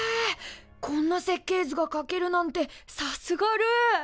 こんな設計図がかけるなんてさすがルー！